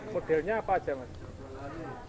modelnya apa aja mas